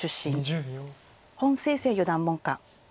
洪清泉四段門下。